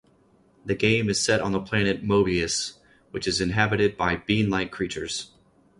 The game is set on the planet Mobius, which is inhabited by bean-like creatures.